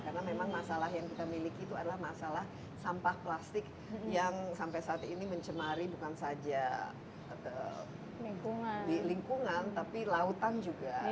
karena memang masalah yang kita miliki itu adalah masalah sampah plastik yang sampai saat ini mencemari bukan saja lingkungan tapi lautan juga